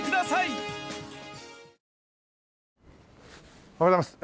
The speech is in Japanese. おはようございます。